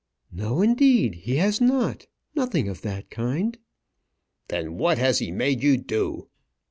"No; indeed he has not. Nothing of that kind." "Then what has he made you do?"